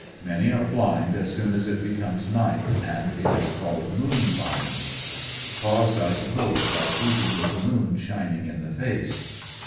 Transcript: Many are blind as soon as it becomes night, and it is called moon blind. Caused, I suppose, by sleeping with the moon shining in the face.